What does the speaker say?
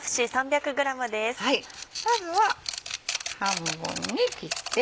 まずは半分に切って。